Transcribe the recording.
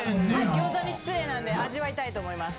餃子に失礼なんで味わいたいと思います。